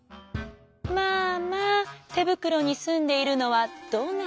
まあまあてぶくろにすんでいるのはどなた？」。